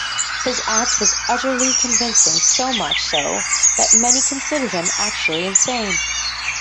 His act was utterly convincing, so much so that many considered him actually insane.